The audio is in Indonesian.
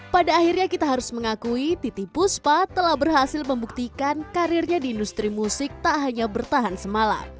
pada akhirnya kita harus mengakui titi puspa telah berhasil membuktikan karirnya di industri musik tak hanya bertahan semalam